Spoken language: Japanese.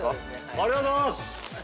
ありがとうございます！